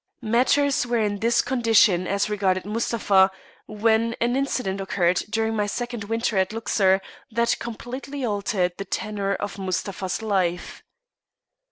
Matters were in this condition as regarded Mustapha, when an incident occurred during my second winter at Luxor that completely altered the tenor of Mustapha's life.